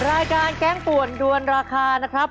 รายการแก๊งป่วนด้วนราคานะครับ